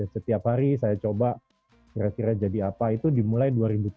setiap hari saya coba kira kira jadi apa itu dimulai dua ribu tujuh belas